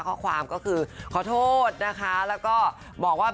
ข้อความก็คือขอโทษนะคะแล้วก็บอกว่า